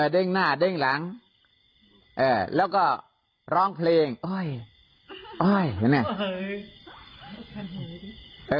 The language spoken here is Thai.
เด้งหน้าเด้งหลังแล้วก็ร้องเพลงโอ๊ยโอ๊ยอย่างนี้